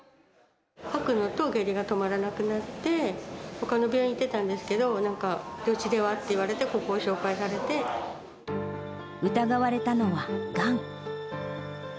吐くのと下痢が止まらなくなって、ほかの病院行ってたんですけど、うちではって言われて、疑われたのはがん。